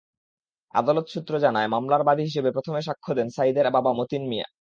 আদালত সূত্র জানায়, মামলার বাদী হিসেবে প্রথমে সাক্ষ্য দেন সাঈদের বাবা মতিন মিয়া।